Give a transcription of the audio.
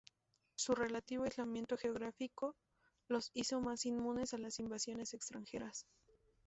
Su relativo aislamiento geográfico los hizo más inmunes a las invasiones extranjeras.